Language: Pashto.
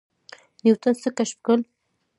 نیوټن څه کشف کړل؟